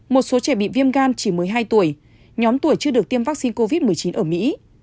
một số trẻ bị viêm gan chỉ một mươi hai tuổi nhóm tuổi chưa được tiêm vaccine covid một mươi chín ở mỹ